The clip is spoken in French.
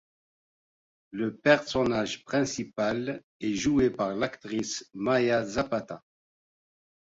Le personnage principal est joué par l'actrice Maya Zapata.